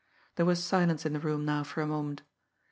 There was silence in the room now for a moment.